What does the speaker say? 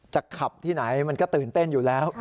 ขับที่ไหนมันก็ตื่นเต้นอยู่แล้ว